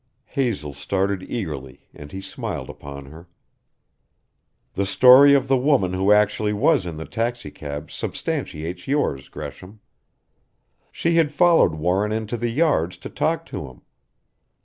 Hazel started eagerly and he smiled upon her. "The story of the woman who actually was in the taxicab substantiates yours, Gresham. She had followed Warren into the yards to talk to him.